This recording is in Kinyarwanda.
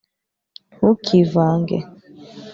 ntukivange